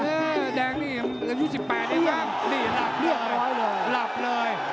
อ่าแดงนี่ยังอายุสิบแปดนี่แหละนี่หลับหลับเลย